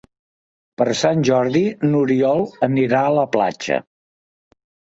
Per Sant Jordi n'Oriol anirà a la platja.